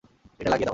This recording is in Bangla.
এটা লাগিয়ে দাও!